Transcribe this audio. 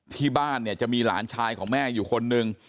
ที่บ้านเนี่ยจะมีหลานชายของแม่อยู่คนหนึ่ง